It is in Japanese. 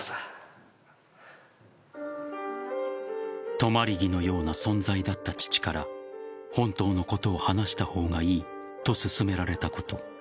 止まり木のような存在だった父から本当のことを話した方がいいと勧められたこと。